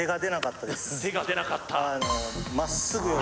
手が出なかったああ